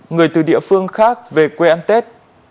người từ địa phương khác về quê ăn tết